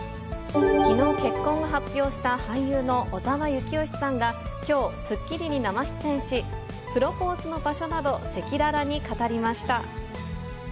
きのう結婚を発表した、俳優の小澤征悦さんがきょう、スッキリに生出演し、プロポーズの場所など、赤裸々に語りました。